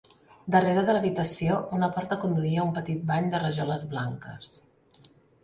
Darrere de l'habitació, una porta conduïa a un petit bany de rajoles blanques.